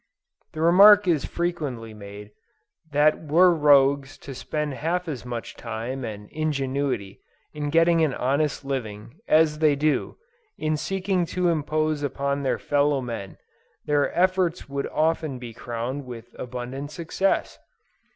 The remark is frequently made that were rogues to spend half as much time and ingenuity in gaining an honest living, as they do, in seeking to impose upon their fellow men, their efforts would often be crowned with abundant success.